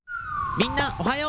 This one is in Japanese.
みんなおっはよう！